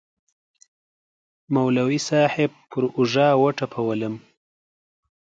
مولوي صاحب پر اوږه وټپولوم.